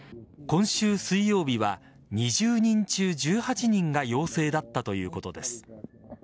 今週水曜日は２０人中１８人が陽性だったということです。